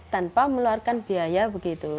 tanpa meluarkan biaya begitu